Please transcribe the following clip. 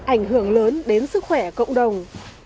ảnh hưởng lớn đến sức khỏe cộng đồng